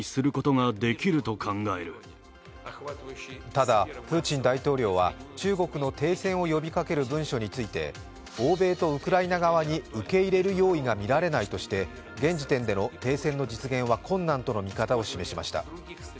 ただ、プーチン大統領は中国の停戦を呼びかける文書について欧米とウクライナ側に受け入れる用意が見られないとして、現時点での停戦の実現は困難との見方を示しました。